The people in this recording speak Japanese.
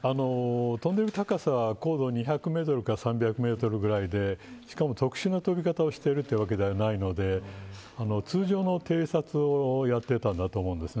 飛んでる高さは高度２００メートルから３００メートルぐらいでしかも特殊な飛び方をしているというわけではないので通常の偵察をやっていたんだと思うんです。